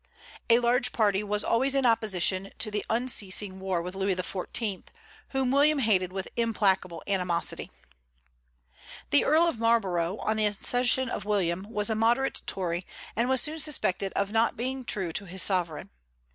A large party was always in opposition to the unceasing war with Louis XIV., whom William hated with implacable animosity. The Earl of Marlborough, on the accession of William, was a moderate Tory, and was soon suspected of not being true to his sovereign.